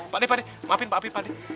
pak dek pak dek maafin pak dek